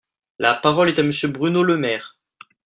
La parole est à Monsieur Bruno Le Maire.